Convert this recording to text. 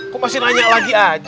kok masih nanya lagi aja